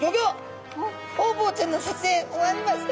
「ホウボウちゃんの撮影終わりました」。